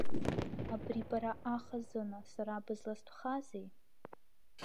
Абри бара ахазына, сара бызластәхазеи?!